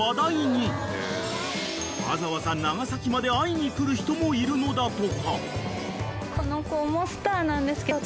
［わざわざ長崎まで会いに来る人もいるのだとか］